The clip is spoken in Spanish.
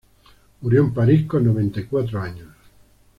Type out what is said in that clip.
Murió en París con noventa y cuatro años.